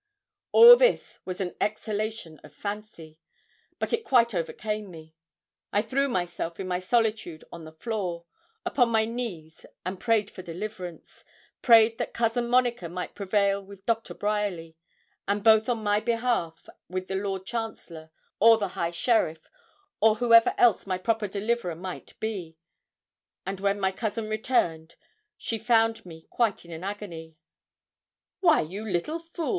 All this was an exhalation of fancy, but it quite overcame me. I threw myself, in my solitude, on the floor, upon my knees, and prayed for deliverance prayed that Cousin Monica might prevail with Doctor Bryerly, and both on my behalf with the Lord Chancellor, or the High Sheriff, or whoever else my proper deliverer might be; and when my cousin returned, she found me quite in an agony. 'Why, you little fool!